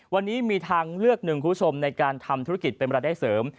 วันนี้มีทางเลือกหนึ่งคุณผู้ชมในการทำธุรกิจเป็นรายได้เสริม